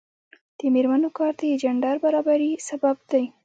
د میرمنو کار د جنډر برابري سبب دی.